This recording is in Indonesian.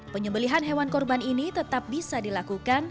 penyembelian hewan korban ini tetap bisa dilakukan